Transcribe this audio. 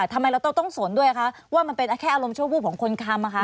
ทำไมเราต้องสนด้วยคะว่ามันเป็นแค่อารมณ์ชั่ววูบของคนทำ